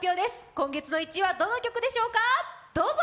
今月の１位はどの曲でしょうか、どうぞ！